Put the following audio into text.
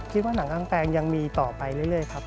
คิดว่านังกางแปงยังมีต่อไปเรื่อยครับ